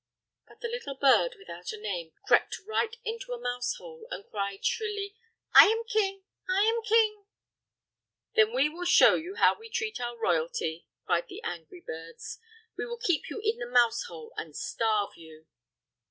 But the little bird without a name crept right into a mouse hole, and cried shrilly: "I am king! I am king!" "Then we will show you how we treat our royalty!" cried the angry birds. "We will keep you in the mouse hole and starve you."